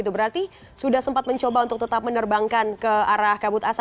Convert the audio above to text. berarti sudah sempat mencoba untuk tetap menerbangkan ke arah kabut asap